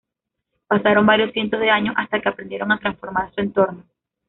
Pasaron varios cientos de años hasta que aprendieron a transformar su entorno.